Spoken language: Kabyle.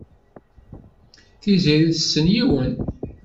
Tiziri tessen yiwen.